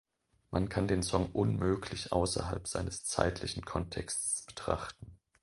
Man kann den Song unmöglich außerhalb seines zeitlichen Kontexts betrachten.